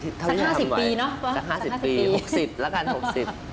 สัก๕๐ปีเนอะใช่ไหมสัก๕๐ปีหรือ๖๐ปีแล้วกัน๖๐ปี